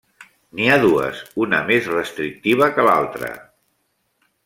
N'hi ha dues una més restrictiva que l'altra.